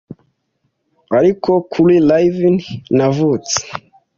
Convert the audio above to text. Ariko kuri livin 'Navutse